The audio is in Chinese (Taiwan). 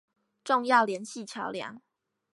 重要聯繫橋梁